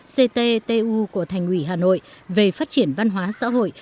cttu của thành ủy hà nội về phát triển văn hóa xã hội